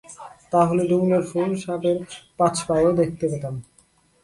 তা হলে ডুমুরের ফুল এবং সাপের পাঁচ পাও দেখতে পেতাম।